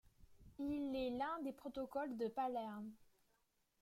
Il est l’un des protocoles de Palerme.